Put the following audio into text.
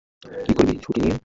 কী করবি ছুটি নিয়ে?